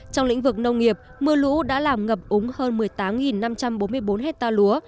trong lĩnh vực nông nghiệp mưa lũ đã làm ngập úng hơn một mươi tám năm trăm bốn mươi bốn hectare lúa